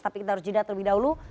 tapi kita harus jeda terlebih dahulu